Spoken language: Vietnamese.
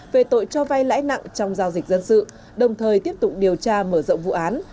về tội cho vay lãi nặng trong giao dịch dân sự đồng thời tiếp tục điều tra mở rộng vụ án